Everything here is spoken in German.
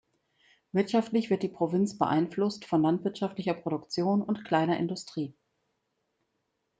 Wirtschaftlich wird die Provinz beeinflusst von landwirtschaftlicher Produktion und kleiner Industrie.